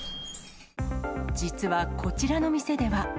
実はこちらの店では。